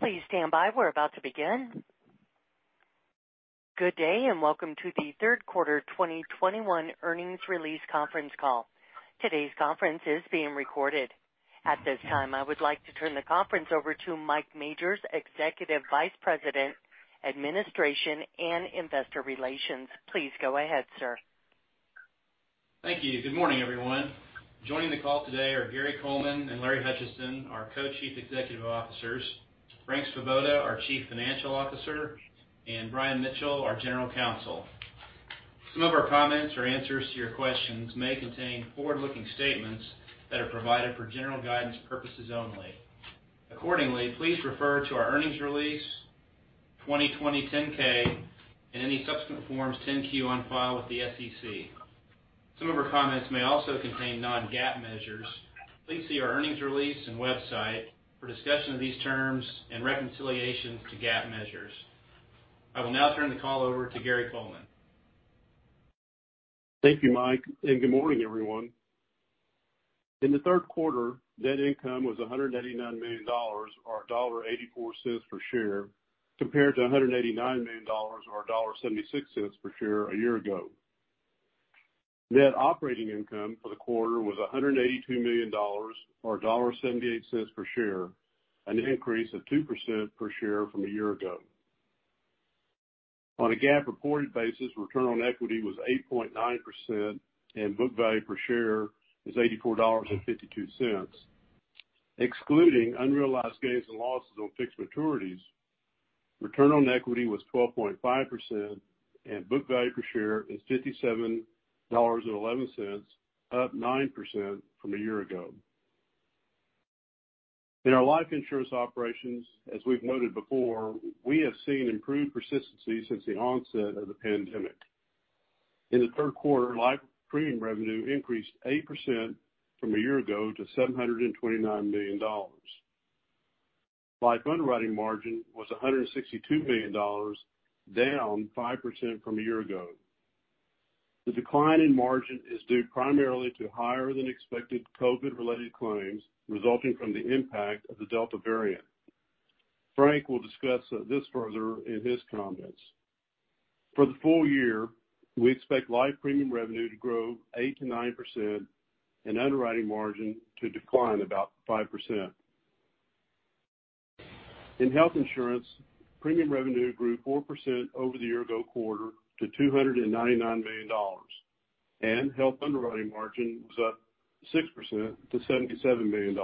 Please stand by. We're about to begin. Good day, welcome to the third quarter 2021 earnings release conference call. Today's conference is being recorded. At this time, I would like to turn the conference over to Mike Majors, Executive Vice President, Administration and Investor Relations. Please go ahead, sir. Thank you. Good morning, everyone. Joining the call today are Gary Coleman and Larry Hutchison, our Co-Chief Executive Officers, Frank Svoboda, our Chief Financial Officer, and Brian Mitchell, our General Counsel. Some of our comments or answers to your questions may contain forward-looking statements that are provided for general guidance purposes only. Accordingly, please refer to our earnings release, 2020 10-K and any subsequent forms 10-Q on file with the SEC. Some of our comments may also contain non-GAAP measures. Please see our earnings release and website for discussion of these terms and reconciliations to GAAP measures. I will now turn the call over to Gary Coleman. Thank you, Mike, and good morning, everyone. In the third quarter, net income was $189 million, or $1.84 per share, compared to $189 million or $1.76 per share a year ago. Net operating income for the quarter was $182 million, or $1.78 per share, an increase of 2% per share from a year ago. On a GAAP reported basis, return on equity was 8.9%, and book value per share is $84.52. Excluding unrealized gains and losses on fixed maturities, return on equity was 12.5%, and book value per share is $57.11, up 9% from a year ago. In our life insurance operations, as we've noted before, we have seen improved persistency since the onset of the pandemic. In the third quarter, life premium revenue increased 8% from a year ago to $729 million. Life underwriting margin was $162 million, down 5% from a year ago. The decline in margin is due primarily to higher than expected COVID-related claims resulting from the impact of the Delta variant. Frank will discuss this further in his comments. For the full year, we expect life premium revenue to grow 8%-9% and underwriting margin to decline about 5%. In health insurance, premium revenue grew 4% over the year-ago quarter to $299 million, and health underwriting margin was up 6% to $77 million.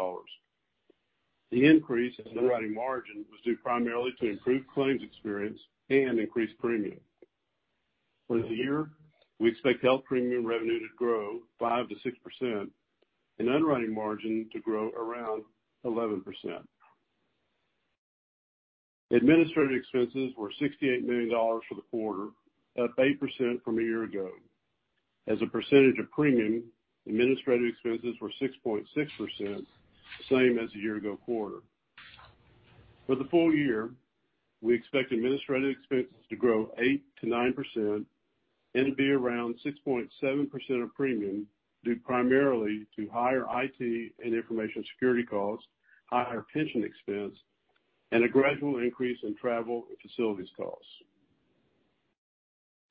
The increase in underwriting margin was due primarily to improved claims experience and increased premium. For the year, we expect health premium revenue to grow 5%-6% and underwriting margin to grow around 11%. Administrative expenses were $68 million for the quarter, up 8% from a year ago. As a percentage of premium, administrative expenses were 6.6%, same as a year-ago quarter. For the full year, we expect administrative expenses to grow 8%-9% and to be around 6.7% of premium, due primarily to higher IT and information security costs, higher pension expense, and a gradual increase in travel and facilities costs.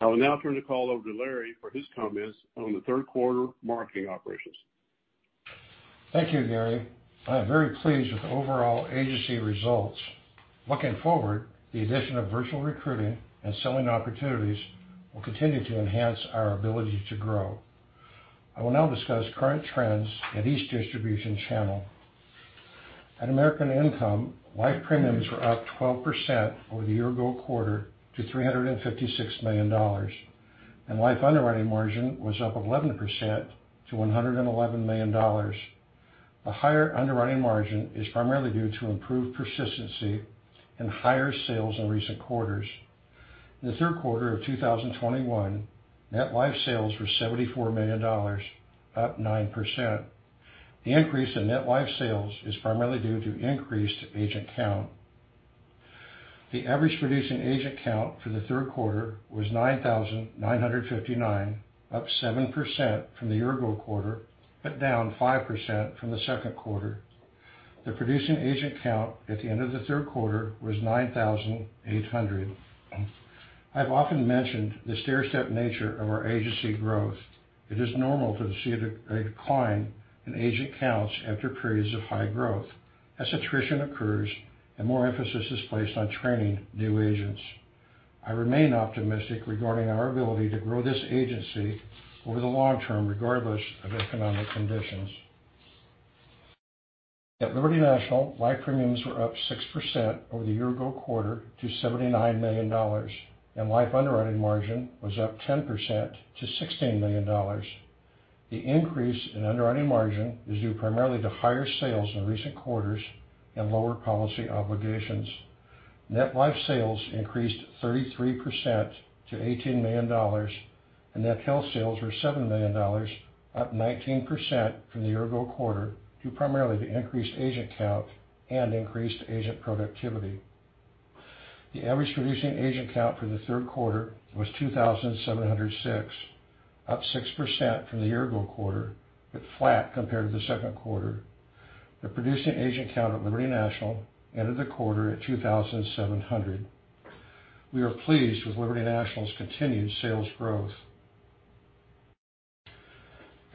I will now turn the call over to Larry for his comments on the third quarter marketing operations. Thank you, Gary Coleman. I am very pleased with the overall agency results. Looking forward, the addition of virtual recruiting and selling opportunities will continue to enhance our ability to grow. I will now discuss current trends at each distribution channel. At American Income Life Insurance Company, life premiums were up 12% over the year-ago quarter to $356 million, and life underwriting margin was up 11% to $111 million. The higher underwriting margin is primarily due to improved persistency and higher sales in recent quarters. In the third quarter of 2021, net life sales were $74 million, up 9%. The increase in net life sales is primarily due to increased agent count. The average producing agent count for the third quarter was 9,959, up 7% from the year-ago quarter, but down 5% from the second quarter. The producing agent count at the end of the third quarter was 9,800. I've often mentioned the stairstep nature of our agency growth. It is normal to see a decline in agent counts after periods of high growth as attrition occurs and more emphasis is placed on training new agents. I remain optimistic regarding our ability to grow this agency over the long term, regardless of economic conditions. At Liberty National, life premiums were up 6% over the year ago quarter to $79 million, and life underwriting margin was up 10% to $16 million. The increase in underwriting margin is due primarily to higher sales in recent quarters and lower policy obligations. Net life sales increased 33% to $18 million, and net health sales were $7 million, up 19% from the year-ago quarter, due primarily to increased agent count and increased agent productivity. The average producing agent count for the third quarter was 2,706, up 6% from the year-ago quarter, but flat compared to the second quarter. The producing agent count at Liberty National ended the quarter at 2,700. We are pleased with Liberty National's continued sales growth.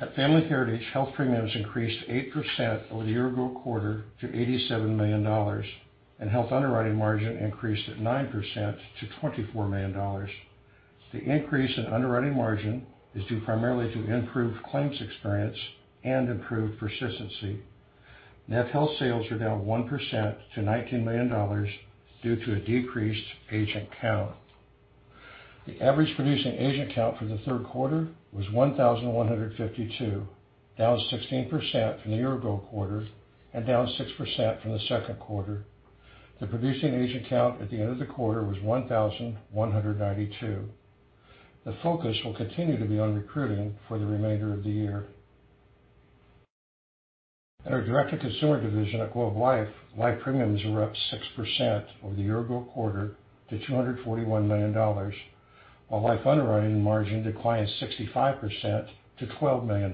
At Family Heritage, health premiums increased 8% over the year-ago quarter to $87 million, and health underwriting margin increased at 9% to $24 million. The increase in underwriting margin is due primarily to improved claims experience and improved persistency. Net health sales are down 1% to $19 million due to a decreased agent count. The average producing agent count for the 3rd quarter was 1,152, down 16% from the year-ago quarter and down 6% from the 2nd quarter. The producing agent count at the end of the quarter was 1,192. The focus will continue to be on recruiting for the remainder of the year. At our direct-to-consumer division at Globe Life, life premiums were up 6% over the year-ago quarter to $241 million, while life underwriting margin declined 65% to $12 million.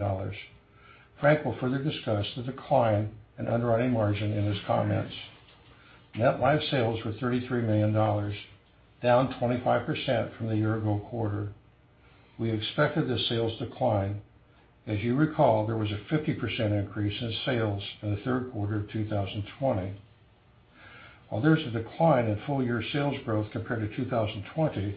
Frank will further discuss the decline in underwriting margin in his comments. Net life sales were $33 million, down 25% from the year-ago quarter. We expected the sales decline. As you recall, there was a 50% increase in sales in the 3rd quarter of 2020. While there's a decline in full-year sales growth compared to 2020,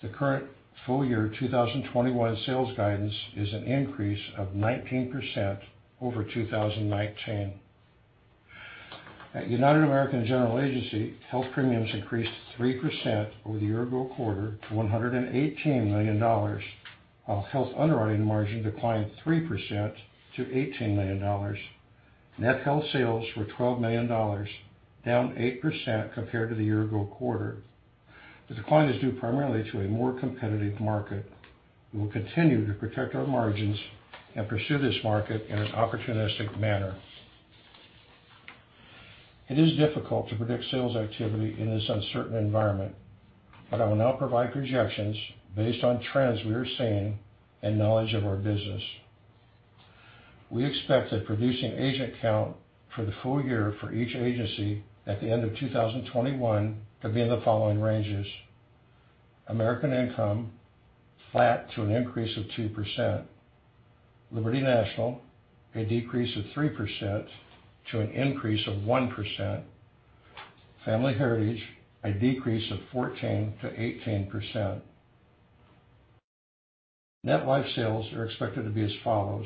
the current full year 2021 sales guidance is an increase of 19% over 2019. At United American General Agency, health premiums increased 3% over the year-ago quarter to $118 million, while health underwriting margin declined 3% to $18 million. Net health sales were $12 million, down 8% compared to the year-ago quarter. The decline is due primarily to a more competitive market. We will continue to protect our margins and pursue this market in an opportunistic manner. It is difficult to predict sales activity in this uncertain environment, but I will now provide projections based on trends we are seeing and knowledge of our business. We expect that producing agent count for the full year for each agency at the end of 2021 to be in the following ranges: American Income, flat to an increase of 2%; Liberty National, a decrease of 3% to an increase of 1%; Family Heritage, a decrease of 14%-18%. Net life sales are expected to be as follows: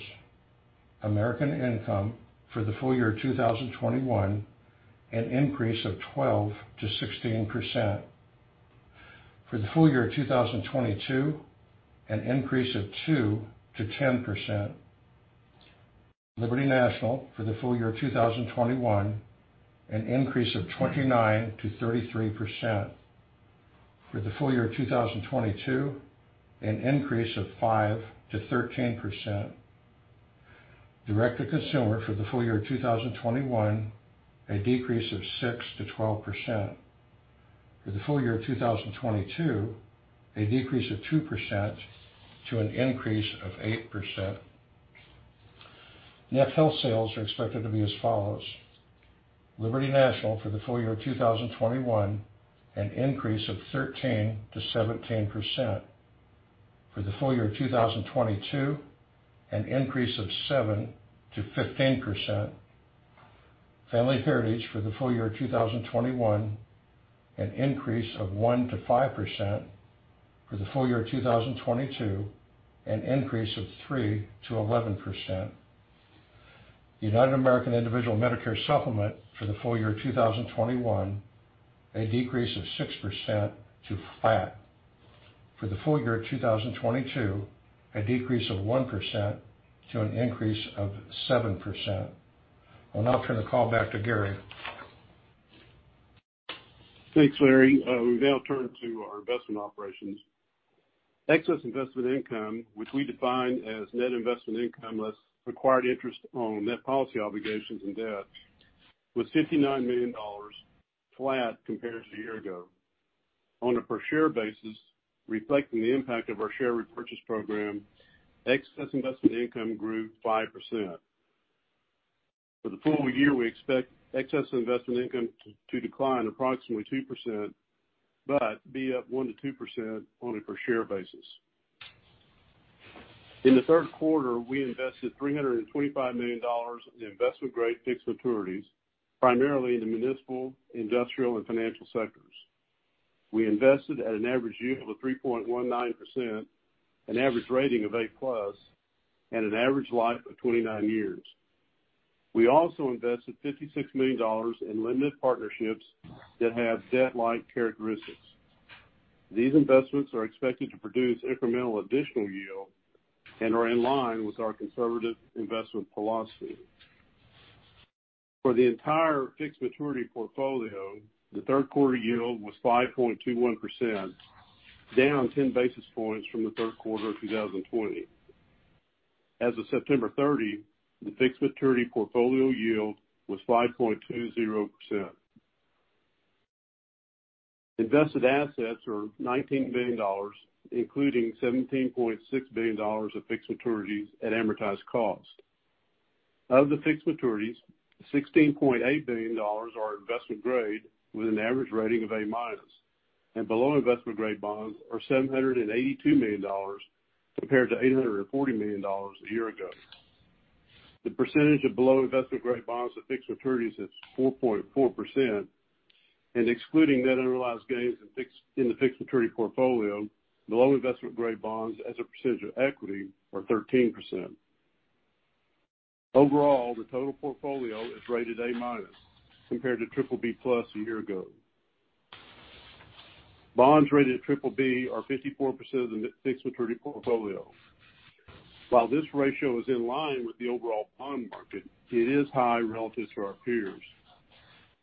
American Income, for the full year 2021, an increase of 12%-16%. For the full year 2022, an increase of 2%-10%. Liberty National, for the full year 2021, an increase of 29%-33%. For the full year 2022, an increase of 5%-13%. direct-to-consumer, for the full year 2021, a decrease of 6%-12%. For the full year 2022, a decrease of 2% to an increase of 8%. Net health sales are expected to be as follows: Liberty National, for the full year 2021, an increase of 13%-17%. For the full year 2022, an increase of 7%-15%. Family Heritage, for the full year 2021, an increase of 1%-5%. For the full year 2022, an increase of 3%-11%. United American Individual Medicare Supplement, for the full year 2021, a decrease of 6% to flat. For the full year 2022, a decrease of 1% to an increase of 7%. I'll now turn the call back to Gary. Thanks, Larry. We now turn to our investment operations. Excess investment income, which we define as net investment income less required interest on net policy obligations and debt, was $59 million, flat compared to a year ago. On a per share basis, reflecting the impact of our share repurchase program, excess investment income grew 5%. For the full year, we expect excess investment income to decline approximately 2%, but be up 1% to 2% on a per share basis. In the third quarter, we invested $325 million in investment-grade fixed maturities, primarily in the municipal, industrial, and financial sectors. We invested at an average yield of 3.19%, an average rating of A plus, and an average life of 29 years. We also invested $56 million in limited partnerships that have debt-like characteristics. These investments are expected to produce incremental additional yield and are in line with our conservative investment philosophy. For the entire fixed maturity portfolio, the third quarter yield was 5.21%, down 10 basis points from the third quarter of 2020. As of September 30, the fixed maturity portfolio yield was 5.20%. Invested assets are $19 billion, including $17.6 billion of fixed maturities at amortized cost. Of the fixed maturities, $16.8 billion are investment grade, with an average rating of A minus, and below investment-grade bonds are $782 million, compared to $840 million a year ago. The percentage of below investment-grade bonds to fixed maturities is 4.4%, and excluding net unrealized gains in the fixed maturity portfolio, below investment-grade bonds as a percentage of equity are 13%. Overall, the total portfolio is rated A minus, compared to triple B plus a year ago. Bonds rated triple B are 54% of the fixed maturity portfolio. While this ratio is in line with the overall bond market, it is high relative to our peers.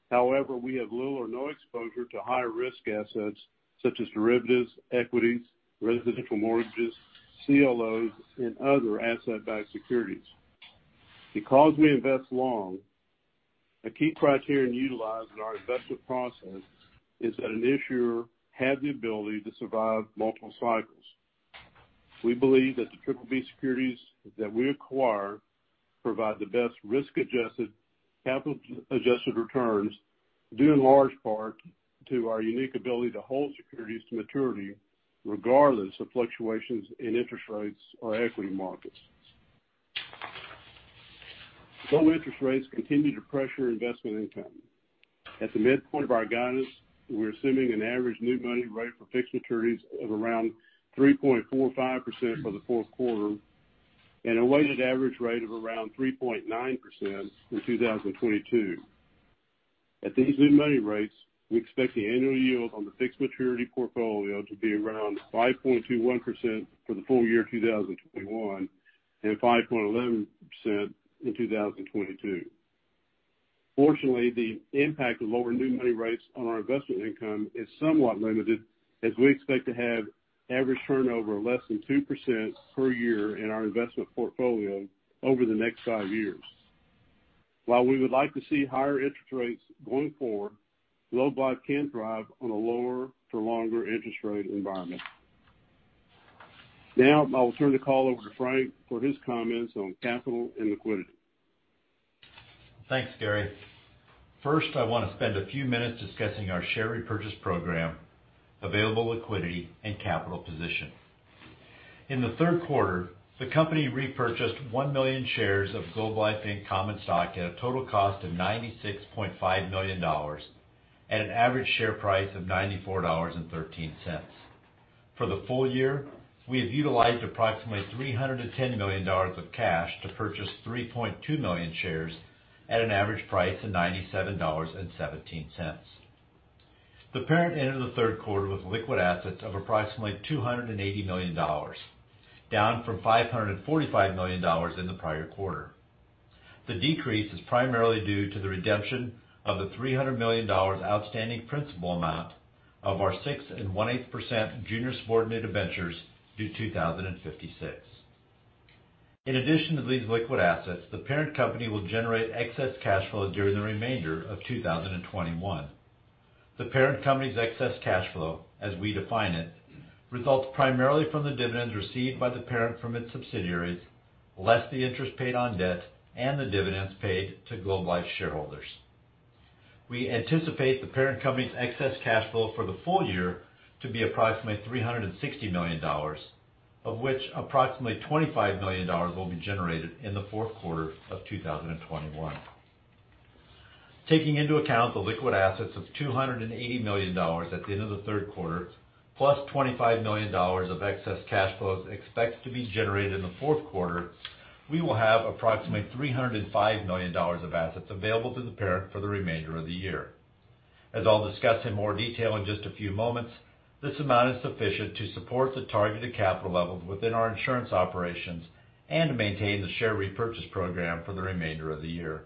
However, we have little or no exposure to high-risk assets such as derivatives, equities, residential mortgages, CLOs, and other asset-backed securities. Because we invest long, a key criterion utilized in our investment process is that an issuer have the ability to survive multiple cycles. We believe that the Triple B securities that we acquire provide the best risk-adjusted, capital-adjusted returns, due in large part to our unique ability to hold securities to maturity regardless of fluctuations in interest rates or equity markets. Low interest rates continue to pressure investment income. At the midpoint of our guidance, we're assuming an average new money rate for fixed maturities of around 3.45% for the fourth quarter and a weighted average rate of around 3.9% in 2022. At these new money rates, we expect the annual yield on the fixed maturity portfolio to be around 5.21% for the full year 2021 and 5.11% in 2022. Fortunately, the impact of lower new money rates on our investment income is somewhat limited, as we expect to have average turnover less than 2% per year in our investment portfolio over the next five years. While we would like to see higher interest rates going forward, Globe Life can thrive on a lower for longer interest rate environment. Now, I will turn the call over to Frank for his comments on capital and liquidity. Thanks, Gary. First, I want to spend a few minutes discussing our share repurchase program, available liquidity, and capital position. In the third quarter, the company repurchased 1 million shares of Globe Life Inc. common stock at a total cost of $96.5 million at an average share price of $94.13. For the full year, we have utilized approximately $310 million of cash to purchase 3.2 million shares at an average price of $97.17. The parent entered the third quarter with liquid assets of approximately $280 million, down from $545 million in the prior quarter. The decrease is primarily due to the redemption of the $300 million outstanding principal amount of our 6 1/8% junior subordinate debentures due 2056. In addition to these liquid assets, the parent company will generate excess cash flow during the remainder of 2021. The parent company's excess cash flow, as we define it, results primarily from the dividends received by the parent from its subsidiaries, less the interest paid on debt and the dividends paid to Globe Life shareholders. We anticipate the parent company's excess cash flow for the full year to be approximately $360 million, of which approximately $25 million will be generated in the fourth quarter of 2021. Taking into account the liquid assets of $280 million at the end of the third quarter, plus $25 million of excess cash flows expected to be generated in the fourth quarter, we will have approximately $305 million of assets available to the parent for the remainder of the year. As I'll discuss in more detail in just a few moments, this amount is sufficient to support the targeted capital levels within our insurance operations and to maintain the share repurchase program for the remainder of the year.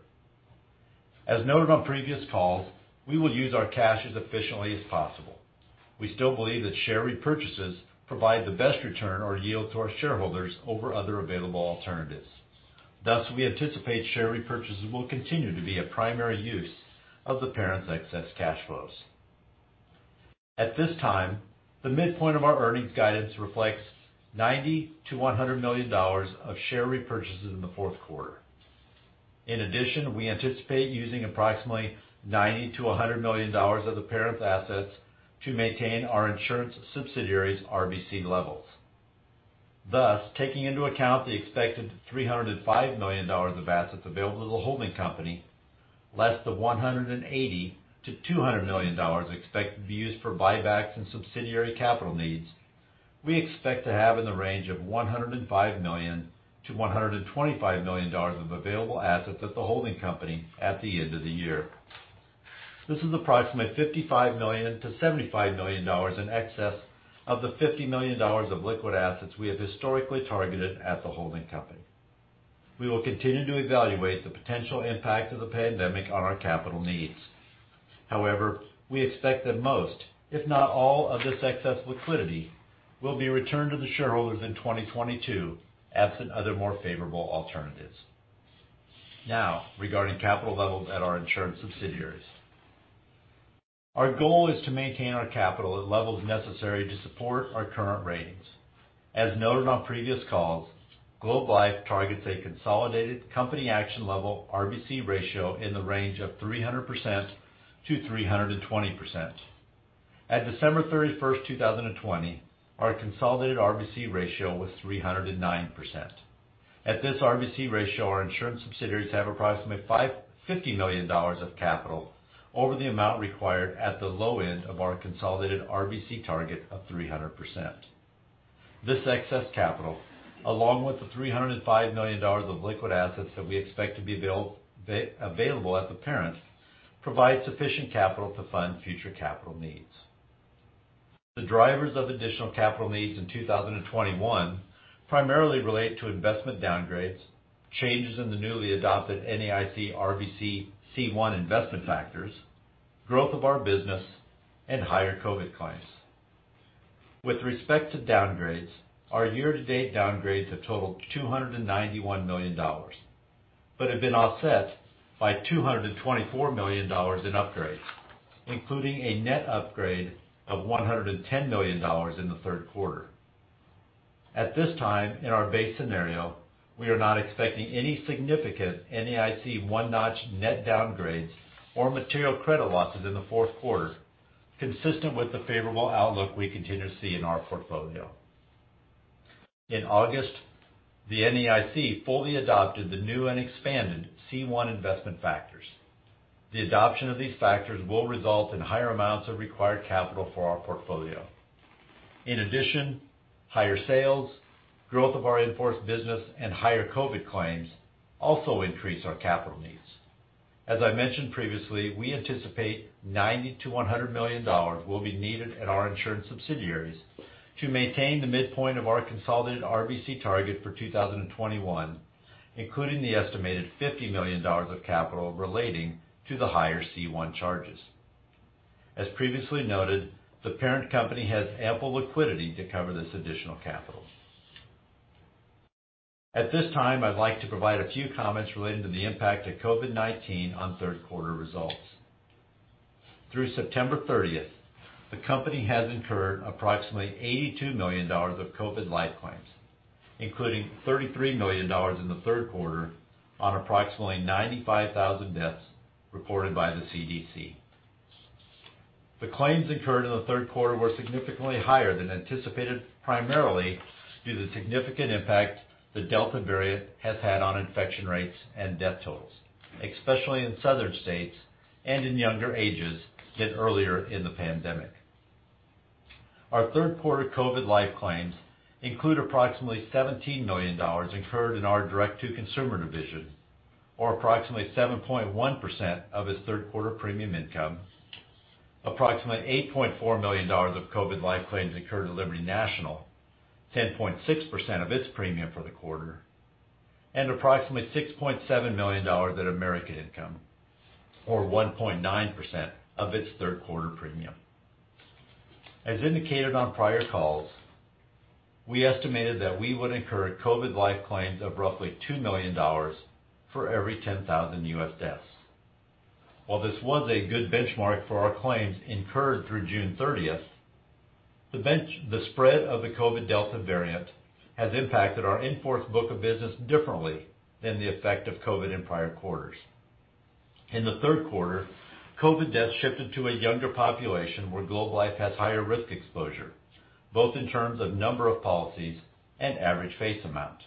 As noted on previous calls, we will use our cash as efficiently as possible. We still believe that share repurchases provide the best return or yield to our shareholders over other available alternatives. Thus, we anticipate share repurchases will continue to be a primary use of the parent's excess cash flows. At this time, the midpoint of our earnings guidance reflects $90 million-$100 million of share repurchases in the fourth quarter. In addition, we anticipate using approximately $90 million-$100 million of the parent's assets to maintain our insurance subsidiaries' RBC levels. Thus, taking into account the expected $305 million of assets available to the holding company, less the $180 million-$200 million expected to be used for buybacks and subsidiary capital needs, we expect to have in the range of $105 million-$125 million of available assets at the holding company at the end of the year. This is approximately $55 million-$75 million in excess of the $50 million of liquid assets we have historically targeted at the holding company. We will continue to evaluate the potential impact of the pandemic on our capital needs. However, we expect that most, if not all, of this excess liquidity will be returned to the shareholders in 2022, absent other more favorable alternatives. Now regarding capital levels at our insurance subsidiaries. Our goal is to maintain our capital at levels necessary to support our current ratings. As noted on previous calls, Globe Life targets a consolidated company action level RBC ratio in the range of 300% to 320%. At December 31st, 2020, our consolidated RBC ratio was 309%. At this RBC ratio, our insurance subsidiaries have approximately $550 million of capital over the amount required at the low end of our consolidated RBC target of 300%. This excess capital, along with the $305 million of liquid assets that we expect to be available at the parent, provide sufficient capital to fund future capital needs. The drivers of additional capital needs in 2021 primarily relate to investment downgrades, changes in the newly adopted NAIC RBC C1 investment factors, growth of our business, and higher COVID claims. With respect to downgrades, our year-to-date downgrades have totaled $291 million, but have been offset by $224 million in upgrades, including a net upgrade of $110 million in the third quarter. At this time, in our base scenario, we are not expecting any significant NAIC 1-notch net downgrades or material credit losses in the fourth quarter, consistent with the favorable outlook we continue to see in our portfolio. In August, the NAIC fully adopted the new and expanded C1 investment factors. The adoption of these factors will result in higher amounts of required capital for our portfolio. In addition, higher sales, growth of our in-force business, and higher COVID claims also increase our capital needs. As I mentioned previously, we anticipate $90 million to $100 million will be needed at our insurance subsidiaries to maintain the midpoint of our consolidated RBC target for 2021, including the estimated $50 million of capital relating to the higher C1 charges. As previously noted, the parent company has ample liquidity to cover this additional capital. At this time, I'd like to provide a few comments relating to the impact of COVID-19 on third quarter results. Through September 30th, the company has incurred approximately $82 million of COVID life claims, including $33 million in the third quarter on approximately 95,000 deaths reported by the CDC. The claims incurred in the third quarter were significantly higher than anticipated, primarily due to the significant impact the Delta variant has had on infection rates and death totals, especially in southern states and in younger ages than earlier in the pandemic. Our third quarter COVID life claims include approximately $17 million incurred in our direct-to-consumer division, or approximately 7.1% of its third quarter premium income, approximately $8.4 million of COVID life claims incurred to Liberty National, 10.6% of its premium for the quarter, and approximately $6.7 million at American Income, or 1.9% of its third quarter premium. As indicated on prior calls, we estimated that we would incur COVID life claims of roughly $2 million for every 10,000 U.S. deaths. While this was a good benchmark for our claims incurred through June 30th, the spread of the COVID Delta variant has impacted our in-force book of business differently than the effect of COVID in prior quarters. In the third quarter, COVID deaths shifted to a younger population where Globe Life has higher risk exposure, both in terms of number of policies and average face amount.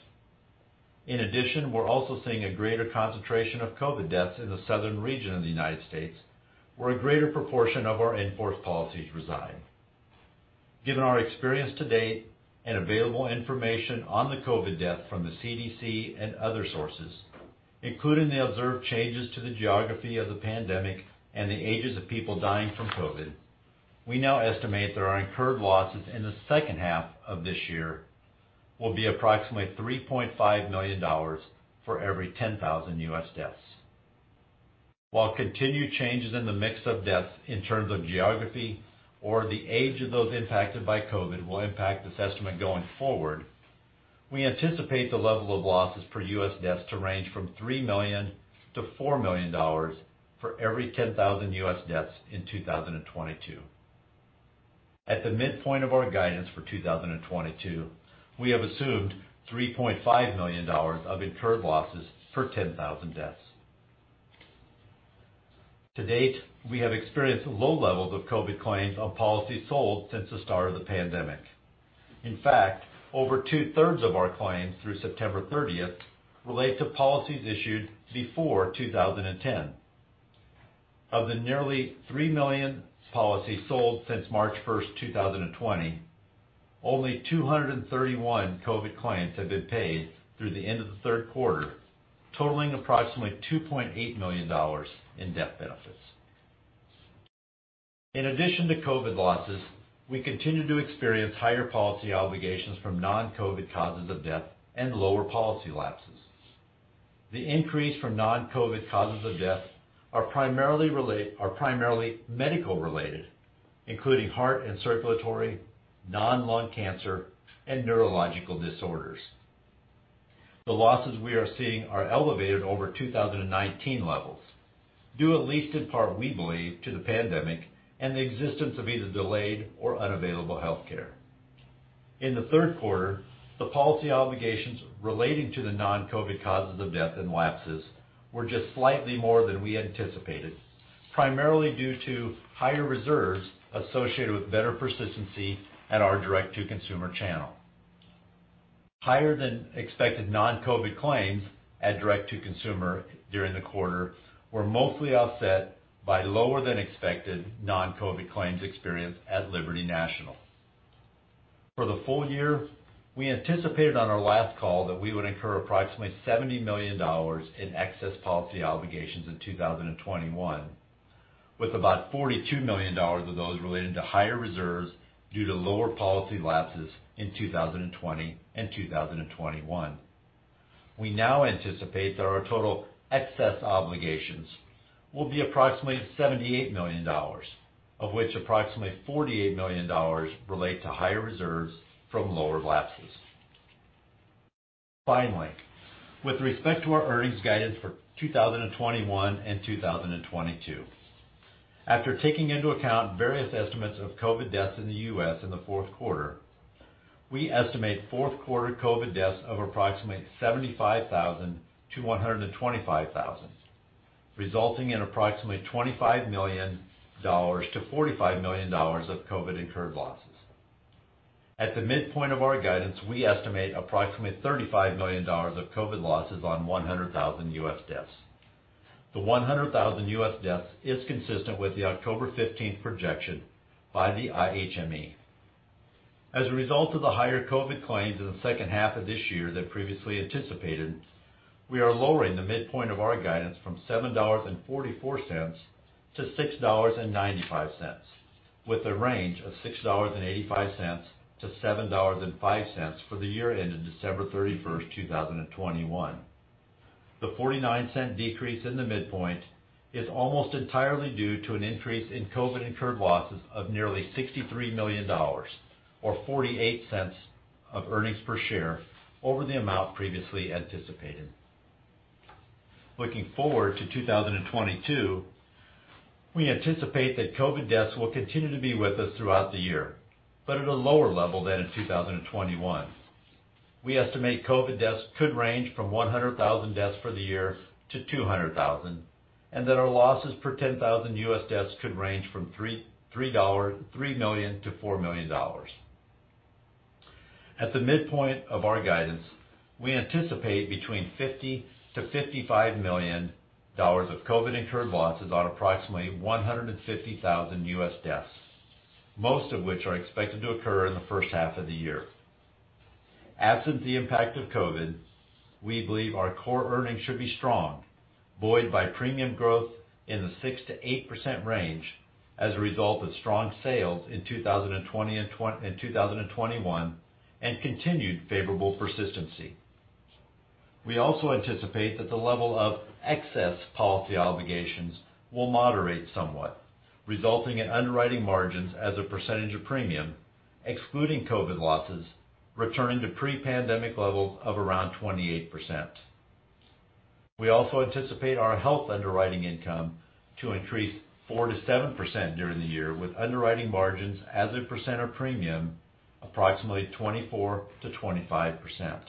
In addition, we're also seeing a greater concentration of COVID deaths in the southern region of the U.S., where a greater proportion of our in-force policies reside. Given our experience to date and available information on the COVID death from the CDC and other sources, including the observed changes to the geography of the pandemic and the ages of people dying from COVID, we now estimate that our incurred losses in the second half of this year will be approximately $3.5 million for every 10,000 U.S. deaths. While continued changes in the mix of deaths in terms of geography or the age of those impacted by COVID will impact this estimate going forward, we anticipate the level of losses per U.S. deaths to range from $3 million-$4 million for every 10,000 U.S. deaths in 2022. At the midpoint of our guidance for 2022, we have assumed $3.5 million of incurred losses per 10,000 deaths. To date, we have experienced low levels of COVID claims on policies sold since the start of the pandemic. In fact, over two-thirds of our claims through September 30th relate to policies issued before 2010. Of the nearly three million policies sold since March 1st, 2020, only 231 COVID claims have been paid through the end of the third quarter, totaling approximately $2.8 million in death benefits. In addition to COVID losses, we continue to experience higher policy obligations from non-COVID causes of death and lower policy lapses. The increase from non-COVID causes of death are primarily medical related, including heart and circulatory, non-lung cancer, and neurological disorders. The losses we are seeing are elevated over 2019 levels, due at least in part, we believe, to the pandemic and the existence of either delayed or unavailable healthcare. In the third quarter, the policy obligations relating to the non-COVID causes of death and lapses were just slightly more than we anticipated, primarily due to higher reserves associated with better persistency at our direct-to-consumer channel. Higher than expected non-COVID claims at direct-to-consumer during the quarter were mostly offset by lower than expected non-COVID claims experience at Liberty National. For the full year, we anticipated on our last call that we would incur approximately $70 million in excess policy obligations in 2021, with about $42 million of those related to higher reserves due to lower policy lapses in 2020 and 2021. We now anticipate that our total excess obligations will be approximately $78 million, of which approximately $48 million relate to higher reserves from lower lapses. Finally, with respect to our earnings guidance for 2021 and 2022, after taking into account various estimates of COVID deaths in the U.S. in the fourth quarter, we estimate fourth quarter COVID deaths of approximately 75,000-125,000, resulting in approximately $25 million-$45 million of COVID-incurred losses. At the midpoint of our guidance, we estimate approximately $35 million of COVID losses on 100,000 U.S. deaths. The 100,000 U.S. deaths is consistent with the October 15th projection by the IHME. As a result of the higher COVID claims in the second half of this year than previously anticipated, we are lowering the midpoint of our guidance from $7.44-$6.95, with a range of $6.85-$7.05 for the year ending December 31st, 2021. The $0.49 decrease in the midpoint is almost entirely due to an increase in COVID-incurred losses of nearly $63 million, or $0.48 of earnings per share over the amount previously anticipated. Looking forward to 2022, we anticipate that COVID deaths will continue to be with us throughout the year, but at a lower level than in 2021. We estimate COVID deaths could range from 100,000 deaths for the year to 200,000, and that our losses per 10,000 U.S. deaths could range from $3 million-$4 million. At the midpoint of our guidance, we anticipate between $50 million-$55 million of COVID-incurred losses on approximately 150,000 U.S. deaths, most of which are expected to occur in the first half of the year. Absent the impact of COVID, we believe our core earnings should be strong, buoyed by premium growth in the 6% to 8% range as a result of strong sales in 2020 and 2021, and continued favorable persistency. We also anticipate that the level of excess policy obligations will moderate somewhat, resulting in underwriting margins as a percentage of premium, excluding COVID losses, returning to pre-pandemic levels of around 28%. We also anticipate our health underwriting income to increase 4% to 7% during the year, with underwriting margins as a % of premium approximately 24% to 25%.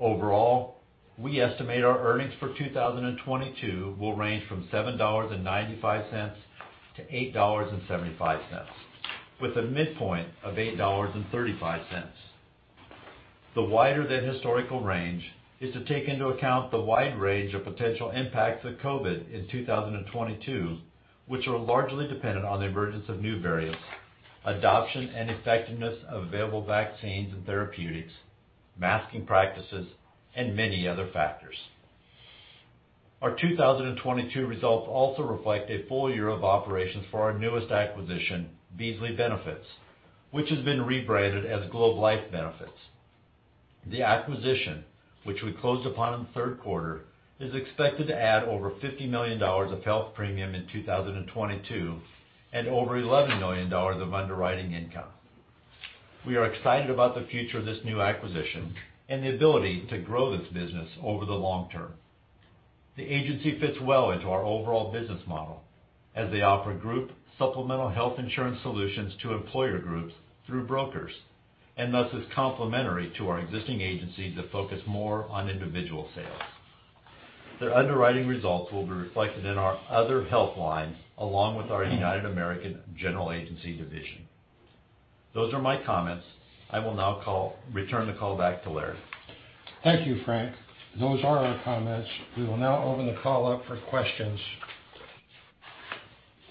Overall, we estimate our earnings for 2022 will range from $7.95-$8.75, with a midpoint of $8.35. The wider than historical range is to take into account the wide range of potential impacts of COVID in 2022, which are largely dependent on the emergence of new variants, adoption and effectiveness of available vaccines and therapeutics, masking practices, and many other factors. Our 2022 results also reflect a full year of operations for our newest acquisition, Beazley Benefits, which has been rebranded as Globe Life Benefits. The acquisition, which we closed upon in the third quarter, is expected to add over $50 million of health premium in 2022 and over $11 million of underwriting income. We are excited about the future of this new acquisition and the ability to grow this business over the long term. The agency fits well into our overall business model as they offer group supplemental health insurance solutions to employer groups through brokers, and thus is complementary to our existing agencies that focus more on individual sales. Their underwriting results will be reflected in our other health lines, along with our United American General Agency division. Those are my comments. I will now return the call back to Larry. Thank you, Frank. Those are our comments. We will now open the call up for questions.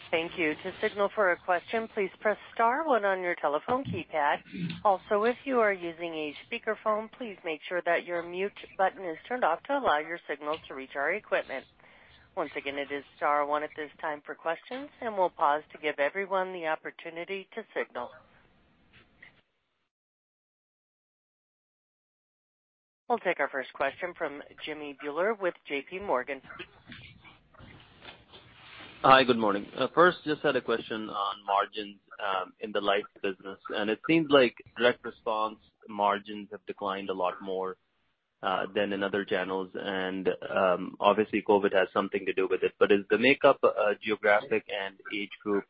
Thank you. To signal for a question, please press star one on your telephone keypad. If you are using a speakerphone, please make sure that your mute button is turned off to allow your signal to reach our equipment. Once again, it is star one at this time for questions, and we'll pause to give everyone the opportunity to signal. We'll take our first question from Jimmy Bhullar with JPMorgan. Hi, good morning. First, just had a question on margins in the life business. It seems like direct response margins have declined a lot more, than in other channels. Obviously COVID has something to do with it. Is the makeup geographic and age group,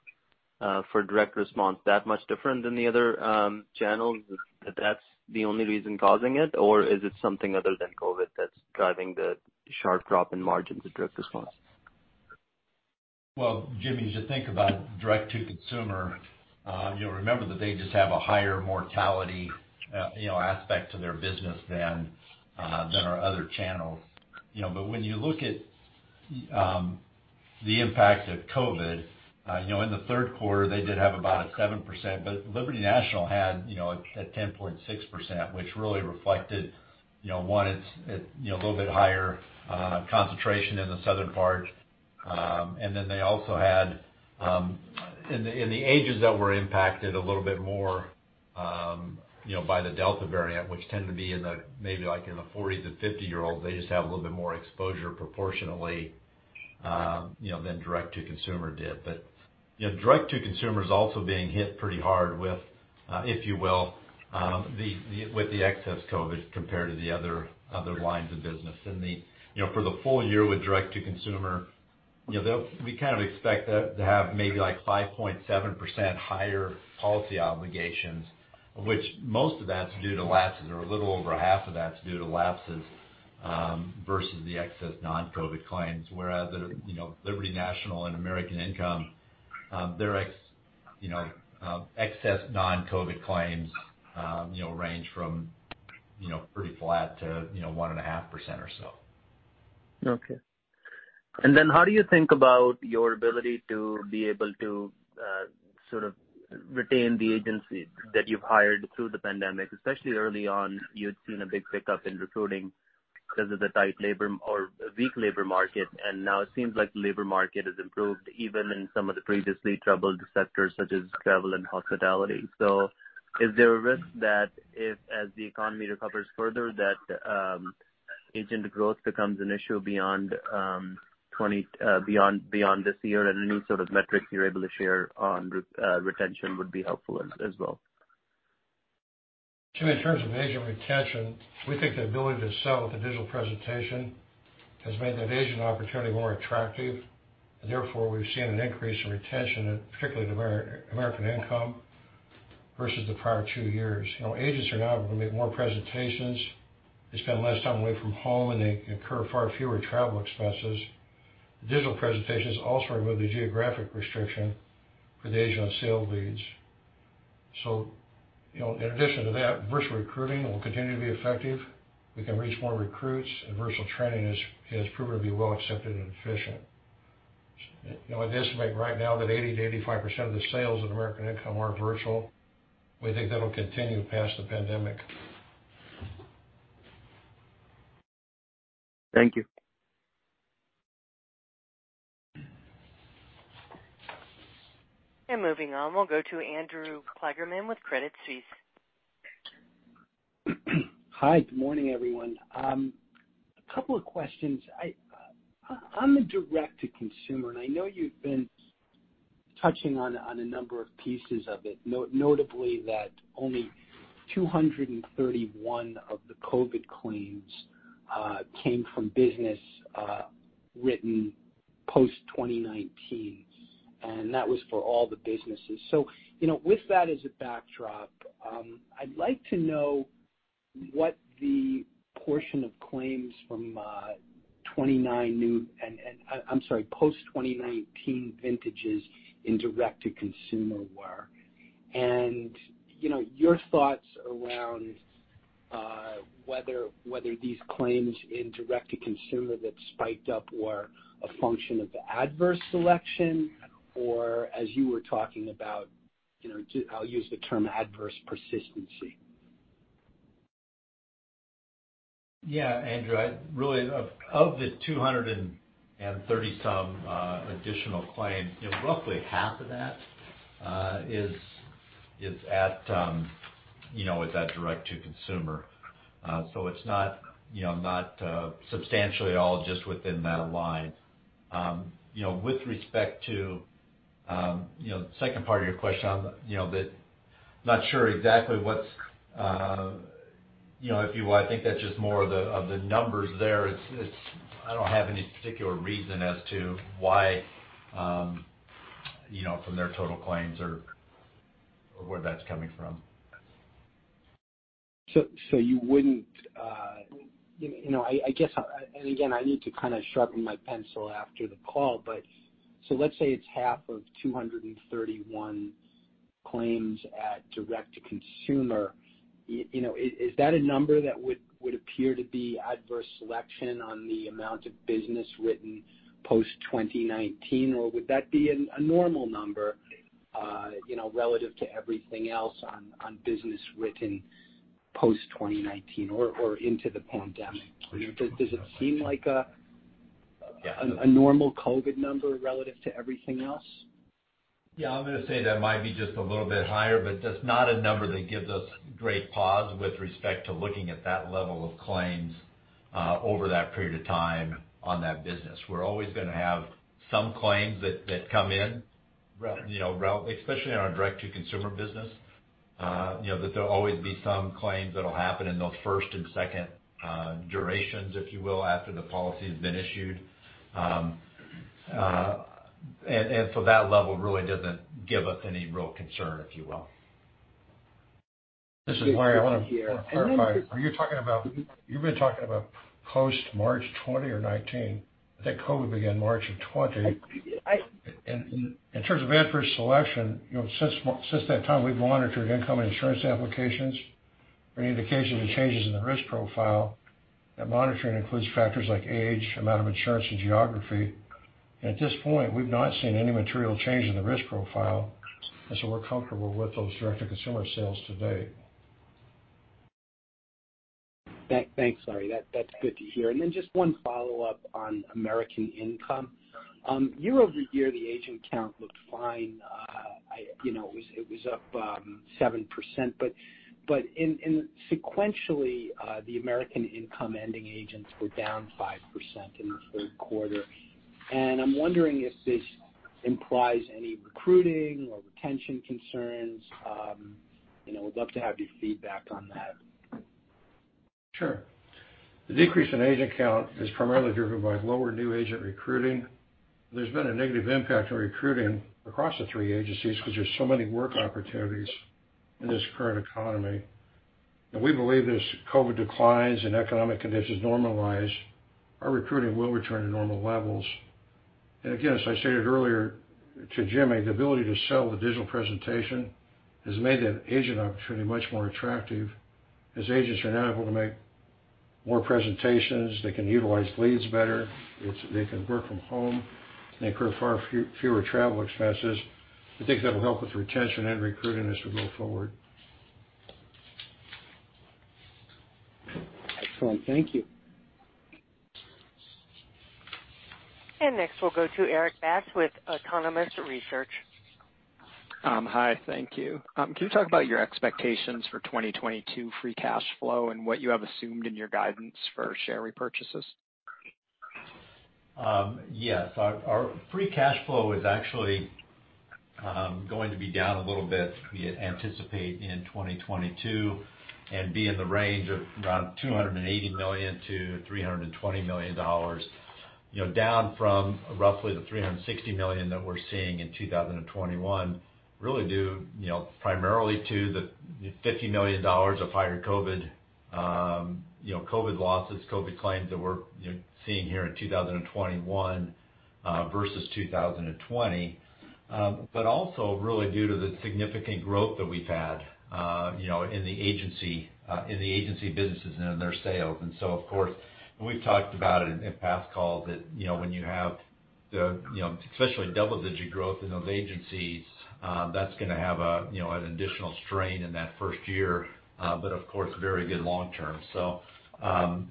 for direct response that much different than the other channels that that's the only reason causing it? Is it something other than COVID that's driving the sharp drop in margins in direct response? Well, Jimmy, as you think about direct-to-consumer, you'll remember that they just have a higher mortality aspect to their business than our other channels. When you look at the impact of COVID, in the third quarter, they did have about a 7%, but Liberty National had a 10.6%, which really reflected one, it's a little bit higher concentration in the southern part. They also had, in the ages that were impacted a little bit more by the Delta variant, which tend to be in the 40 to 50 year old, they just have a little bit more exposure proportionally than direct-to-consumer did. Direct-to-consumer is also being hit pretty hard with, if you will, with the excess COVID compared to the other lines of business. For the full year with direct-to-consumer, we kind of expect that to have maybe 5.7% higher policy obligations, which most of that's due to lapses or a little over half of that's due to lapses, versus the excess non-COVID claims. Whereas at Liberty National and American Income, their excess non-COVID claims range from pretty flat to 1.5% or so. Okay. Then how do you think about your ability to be able to sort of retain the agency that you've hired through the pandemic? Especially early on, you had seen a big pickup in recruiting because of the tight labor or weak labor market, and now it seems like the labor market has improved even in some of the previously troubled sectors such as travel and hospitality. Is there a risk that if as the economy recovers further, that agent growth becomes an issue beyond this year? Any sort of metrics you're able to share on retention would be helpful as well. Jimmy Bhullar, in terms of agent retention, we think the ability to sell with a digital presentation has made that agent opportunity more attractive. Therefore, we've seen an increase in retention at particularly American Income versus the prior two years. Agents are now able to make more presentations. They spend less time away from home, and they incur far fewer travel expenses. The digital presentations also remove the geographic restriction for the agent on sale leads. In addition to that, virtual recruiting will continue to be effective. We can reach more recruits, and virtual training has proven to be well accepted and efficient. We estimate right now that 80%-85% of the sales at American Income are virtual. We think that'll continue past the pandemic. Thank you. Moving on, we'll go to Andrew Kligerman with Credit Suisse. Hi, good morning, everyone. A couple of questions. On the direct-to-consumer, and I know you've been touching on a number of pieces of it, notably that only 231 of the COVID claims came from business written post 2019, and that was for all the businesses. With that as a backdrop, I'd like to know what the portion of claims from post-2019 vintages in direct-to-consumer were. Your thoughts around whether these claims in direct-to-consumer that spiked up were a function of the adverse selection, or as you were talking about, I'll use the term adverse persistency. Yeah, Andrew, really, of the 230 some additional claims, roughly half of that is at that direct-to-consumer. It's not substantially all just within that line. With respect to the second part of your question, I'm not sure exactly what's, if you will, I think that's just more of the numbers there. I don't have any particular reason as to why from their total claims or where that's coming from. You wouldn't. Again, I need to kind of sharpen my pencil after the call. Let's say it's half of 231 claims at direct-to-consumer. Is that a number that would appear to be adverse selection on the amount of business written post-2019? Would that be a normal number relative to everything else on business written post-2019 or into the pandemic? A normal COVID number relative to everything else? Yeah. I'm going to say that might be just a little bit higher, but just not a number that gives us great pause with respect to looking at that level of claims over that period of time on that business. We're always going to have some claims that come in. Right especially in our direct-to-consumer business, that there'll always be some claims that'll happen in those first and second durations, if you will, after the policy has been issued. That level really doesn't give us any real concern, if you will. This is Larry. I want to clarify. You've been talking about post-March 2020 or 2019. I think COVID began March of 2020. I- In terms of adverse selection, since that time we've monitored incoming insurance applications for any indication of changes in the risk profile. That monitoring includes factors like age, amount of insurance, and geography. At this point, we've not seen any material change in the risk profile, we're comfortable with those direct-to-consumer sales to date. Thanks, Larry. That's good to hear. Just one follow-up on American Income. Year-over-year, the agent count looked fine. It was up 7%, but sequentially, the American Income ending agents were down 5% in the third quarter, and I'm wondering if this implies any recruiting or retention concerns. Would love to have your feedback on that. Sure. The decrease in agent count is primarily driven by lower new agent recruiting. There's been a negative impact on recruiting across the three agencies because there's so many work opportunities in this current economy. We believe as COVID declines and economic conditions normalize, our recruiting will return to normal levels. Again, as I stated earlier to Jimmy, the ability to sell the digital presentation has made that agent opportunity much more attractive, as agents are now able to make more presentations. They can utilize leads better. They can work from home, and incur far fewer travel expenses. I think that'll help with retention and recruiting as we go forward. Excellent. Thank you. Next, we'll go to Erik Bass with Autonomous Research. Hi. Thank you. Can you talk about your expectations for 2022 free cash flow and what you have assumed in your guidance for share repurchases? Yes. Our free cash flow is actually going to be down a little bit, we anticipate in 2022, and be in the range of around $280 million-$320 million, down from roughly the $360 million that we're seeing in 2021, really due primarily to the $50 million of higher COVID losses, COVID claims that we're seeing here in 2021 versus 2020. But also really due to the significant growth that we've had in the agency businesses and in their sales. And so of course, we've talked about it in past calls, that when you have especially double-digit growth in those agencies, that's going to have an additional strain in that first year, but of course, very good long term.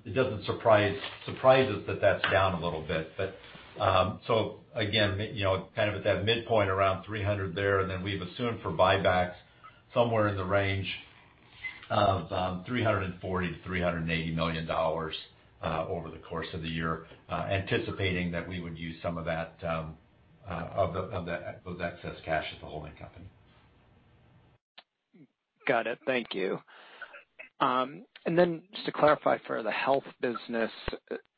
It doesn't surprise us that that's down a little bit. Again, kind of at that midpoint around $300 there, and then we've assumed for buybacks somewhere in the range of $340 million-$380 million over the course of the year, anticipating that we would use some of that excess cash at the holding company. Got it. Thank you. Just to clarify for the health business,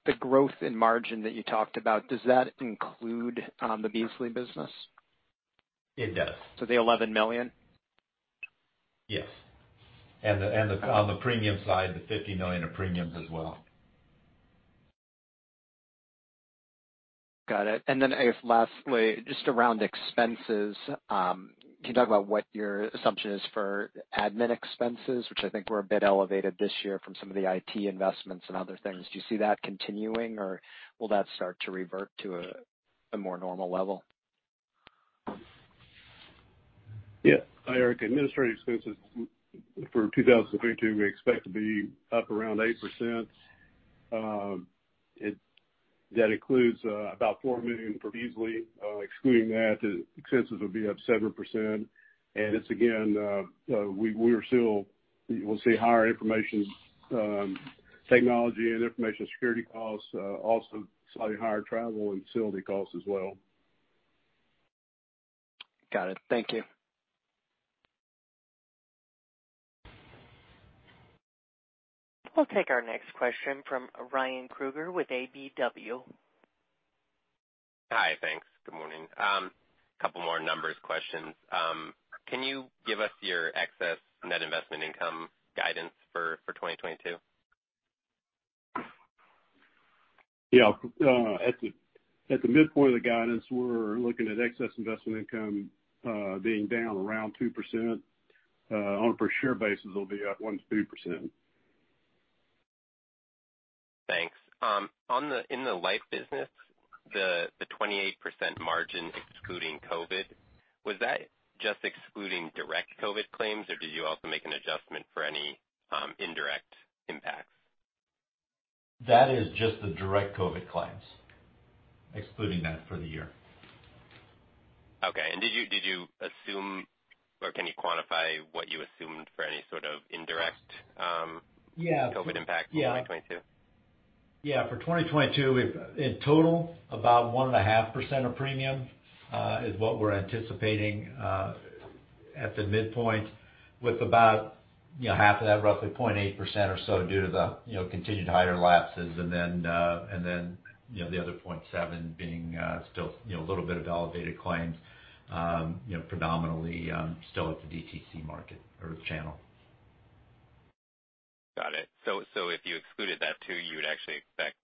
the growth in margin that you talked about, does that include the Beazley Benefits? It does. The $11 million? Yes. On the premium side, the $50 million of premiums as well. Got it. If lastly, just around expenses, can you talk about what your assumption is for admin expenses, which I think were a bit elevated this year from some of the IT investments and other things. Do you see that continuing, or will that start to revert to a more normal level? Yeah. Hi, Erik. Administrative expenses for 2022, we expect to be up around 8%. That includes about $4 million from Beasley. Excluding that, the expenses will be up 7%. It's again, we'll see higher information technology and information security costs, also slightly higher travel and facility costs as well. Got it. Thank you. We'll take our next question from Ryan Krueger with KBW. Hi, thanks. Good morning. Couple more numbers questions. Can you give us your excess net investment income guidance for 2022? Yeah. At the midpoint of the guidance, we're looking at excess investment income being down around 2%. On a per share basis, it'll be up 1%-2%. Thanks. In the life business, the 28% margin excluding COVID, was that just excluding direct COVID claims, or did you also make an adjustment for any indirect impacts? That is just the direct COVID claims, excluding that for the year. Okay. Did you assume, or can you quantify what you assumed for any sort of indirect-? Yeah COVID impact in 2022? Yeah. For 2022, in total, about 1.5% of premium is what we're anticipating at the midpoint with about half of that, roughly 0.8% or so, due to the continued higher lapses and then the other 0.7% being still a little bit of validated claims predominantly still at the DTC market or channel. Got it. If you excluded that too, you would actually expect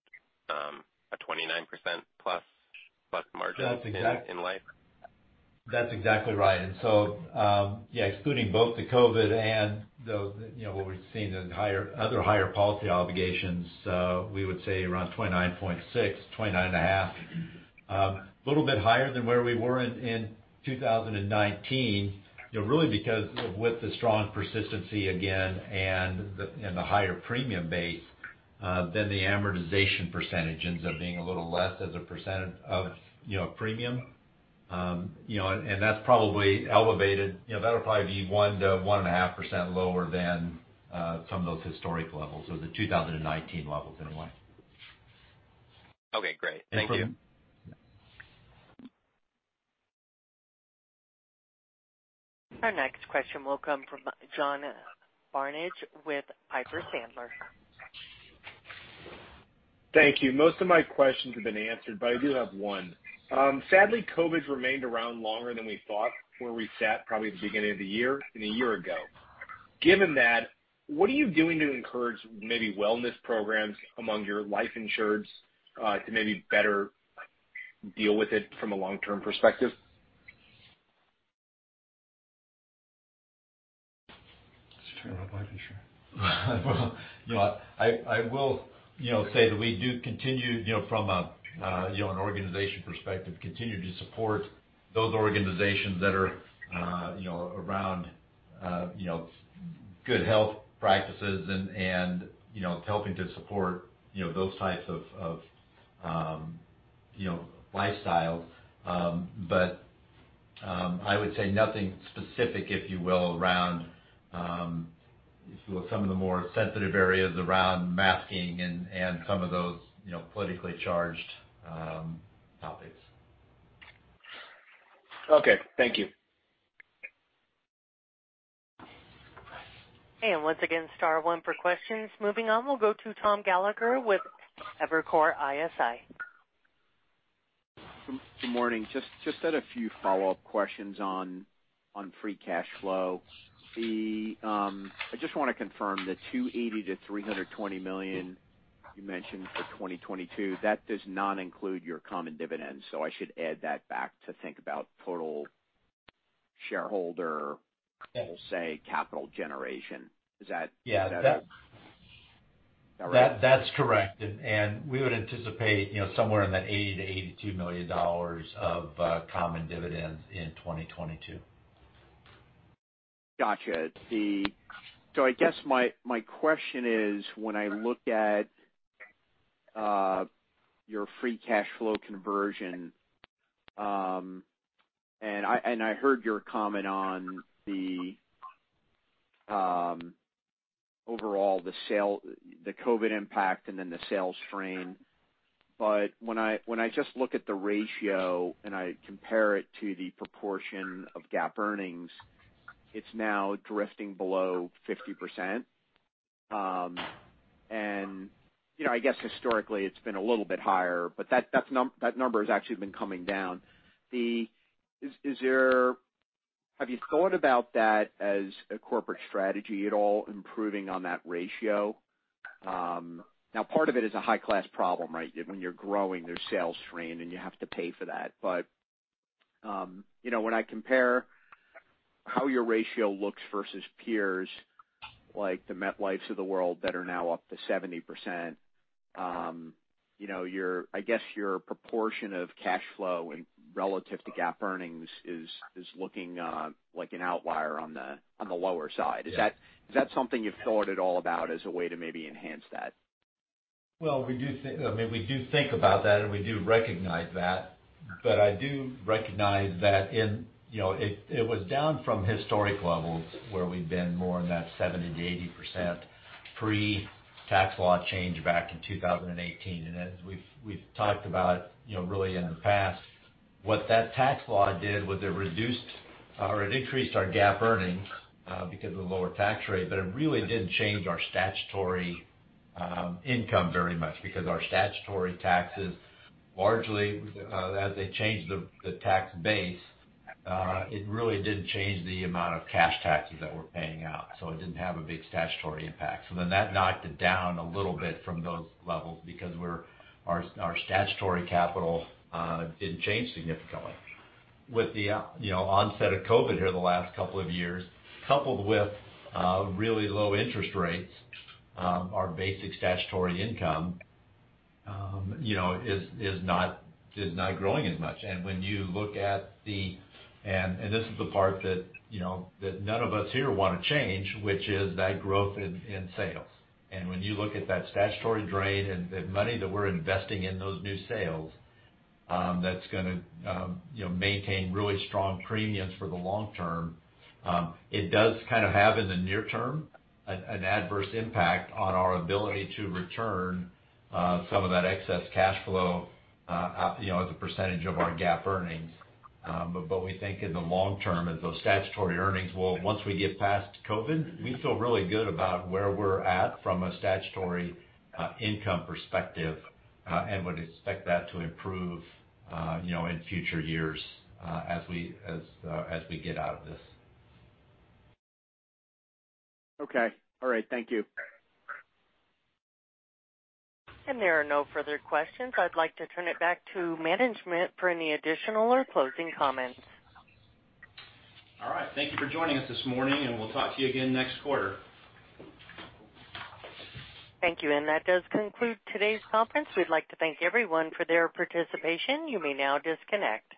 a 29% plus margin- That's exact- in life? That's exactly right. Yeah, excluding both the COVID and what we've seen in other higher policy obligations, we would say around 29.6, 29.5. Little bit higher than where we were in 2019, really because with the strong persistency again and the higher premium base, then the amortization percentage ends up being a little less as a percentage of premium. That's probably elevated. That'll probably be 1%-1.5% lower than some of those historic levels, so the 2019 levels in life. Okay, great. Thank you. And for- Our next question will come from John Barnidge with Piper Sandler. Thank you. Most of my questions have been answered. I do have one. Sadly, COVID's remained around longer than we thought where we sat probably at the beginning of the year and a year ago. Given that, what are you doing to encourage maybe wellness programs among your life insureds to maybe better deal with it from a long-term perspective? Does he care about life insurance? I will say that we do continue from an organization perspective, continue to support those organizations that are around good health practices and helping to support those types of lifestyles. I would say nothing specific, if you will around some of the more sensitive areas around masking and some of those politically charged topics. Okay. Thank you. Once again, star one for questions. Moving on, we'll go to Tom Gallagher with Evercore ISI. Good morning. I just had a few follow-up questions on free cash flow. I just want to confirm the $280 million-$320 million you mentioned for 2022, that does not include your common dividends. I should add that back to think about total shareholder- Yes we'll say capital generation. Yeah. About right? That's correct. We would anticipate somewhere in that $80 million-$82 million of common dividends in 2022. Gotcha. I guess my question is when I look at your free cash flow conversion, and I heard your comment on the overall, the COVID impact and then the sales strain, but when I just look at the ratio and I compare it to the proportion of GAAP earnings, it's now drifting below 50%. I guess historically it's been a little bit higher, but that number has actually been coming down. Have you thought about that as a corporate strategy at all, improving on that ratio? Part of it is a high-class problem, right? When you're growing, there's sales strain, and you have to pay for that. When I compare how your ratio looks versus peers like MetLife of the world that are now up to 70%, I guess your proportion of cash flow relative to GAAP earnings is looking like an outlier on the lower side. Yeah. Is that something you've thought at all about as a way to maybe enhance that? We do think about that and we do recognize that, but I do recognize that it was down from historic levels where we'd been more in that 70%-80% pre-tax law change back in 2018. As we've talked about really in the past, what that tax law did was it reduced or it increased our GAAP earnings because of the lower tax rate, but it really didn't change our statutory income very much because our statutory taxes, largely as they changed the tax base, it really didn't change the amount of cash taxes that we're paying out. It didn't have a big statutory impact. That knocked it down a little bit from those levels because our statutory capital didn't change significantly. With the onset of COVID here the last couple of years, coupled with really low interest rates, our basic statutory income is not growing as much. This is the part that none of us here want to change, which is that growth in sales. When you look at that statutory drain and money that we're investing in those new sales that's going to maintain really strong premiums for the long term, it does kind of have in the near term, an adverse impact on our ability to return some of that excess cash flow as a percentage of our GAAP earnings. We think in the long term, as those statutory earnings will, once we get past COVID, we feel really good about where we're at from a statutory income perspective, and would expect that to improve in future years as we get out of this. Okay. All right. Thank you. There are no further questions. I'd like to turn it back to management for any additional or closing comments. All right. Thank you for joining us this morning, and we'll talk to you again next quarter. Thank you. That does conclude today's conference. We'd like to thank everyone for their participation. You may now disconnect.